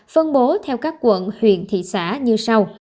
phân bố theo các quận huyện thị xã như sau